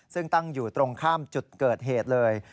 ซึ่งตั้งอยู่ตรงข้ามจุดเกิดเหตุเลย